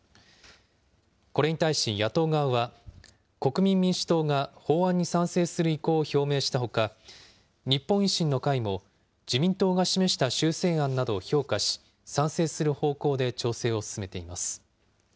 これに対し野党側は、国民民主党が法案に賛成する意向を表明したほか、日本維新の会も自民党が示した修正案などを評価し、賛成する方向で調整を進めています。